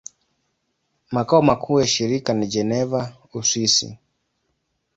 Makao makuu ya shirika ni Geneva, Uswisi.